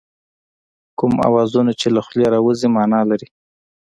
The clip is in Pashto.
کوم اوازونه چې له خولې راوځي مانا لري